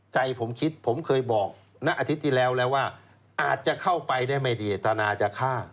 ใจผมคิดผมเคยบอกณอาทิตย์ที่แล้วแล้วว่าอาจจะเข้าไปได้ไม่ดีเจตนาจะฆ่า